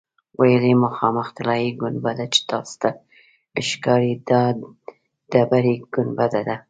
ویل یې مخامخ طلایي ګنبده چې تاسو ته ښکاري دا ډبرې ګنبده ده.